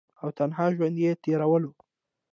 او تنها ژوند ئې تيرولو ۔